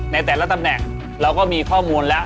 ในแต่ละตำแหน่งเราก็มีข้อมูลแล้ว